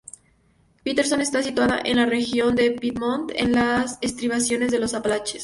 Paterson está situada en la región de Piedmont, en las estribaciones de los Apalaches.